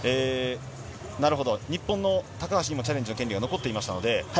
日本の高橋にもチャレンジの権利が残っていました。